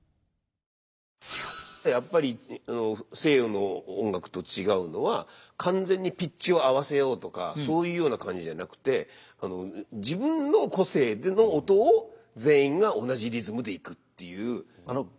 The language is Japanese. やっぱり西洋の音楽と違うのは完全にピッチを合わせようとかそういうような感じじゃなくて自分の個性での音を全員が同じリズムでいくっていう。